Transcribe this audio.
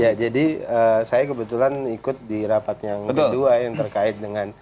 ya jadi saya kebetulan ikut di rapat yang kedua yang terkait dengan